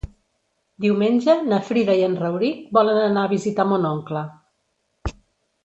Diumenge na Frida i en Rauric volen anar a visitar mon oncle.